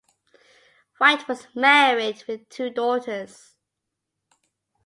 White was married with two daughters.